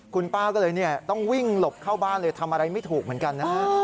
คุณป้าก็เลยต้องวิ่งหลบเข้าบ้านเลยทำอะไรไม่ถูกเหมือนกันนะฮะ